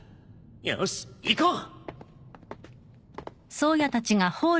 よし行こう。